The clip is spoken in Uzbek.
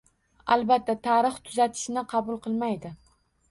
Albatta, tarix tuzatishni qabul qilmaydi